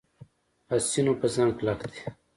حسینو په ځان کلک دی.